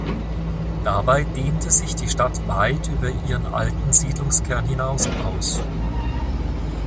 Dabei dehnte sich die Stadt weit über ihren alten Siedlungskern hinaus aus.